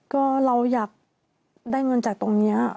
ก็เราอยากได้เงินจากตรงนี้